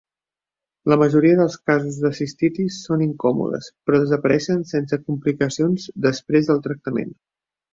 La majoria dels casos de cistitis són incòmodes però desapareixen sense complicacions després del tractament.